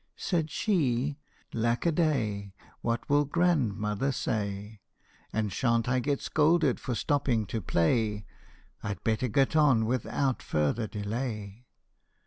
Said she, " Lack a day ! What will grandmother say ? And shan't I get scolded for stopping to play ! I 'd better get on without further delay